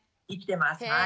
生きてます。